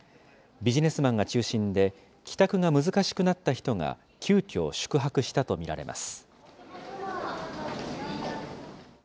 ビジネスマンが中心で帰宅が難しくなった人が急きょ、宿泊したと見られます。